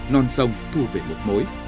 không thu về một mối